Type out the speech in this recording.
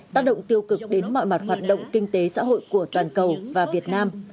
tác động tiêu cực đến mọi mặt hoạt động kinh tế xã hội của toàn cầu và việt nam